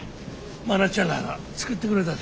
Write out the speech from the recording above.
真夏ちゃんらが作ってくれたで。